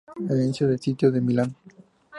Inicio del sitio de Milán.